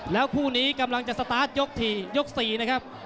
แล้วคู่นี้กำลังจะสตาร์ทยกทียก๔นะครับ